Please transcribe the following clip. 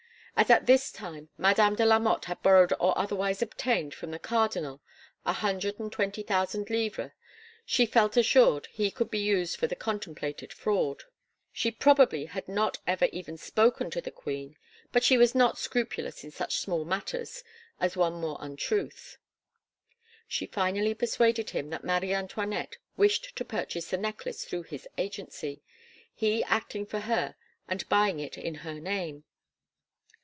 As at this time Madame de la Motte had borrowed or otherwise obtained from the Cardinal a hundred and twenty thousand livres, she felt assured he could be used for the contemplated fraud. She probably had not ever even spoken to the queen but she was not scrupulous in such a small matter as one more untruth. She finally persuaded him that Marie Antoinette wished to purchase the necklace through his agency, he acting for her and buying it in her name.